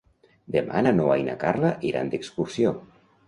Demà na Noa i na Carla iran d'excursió.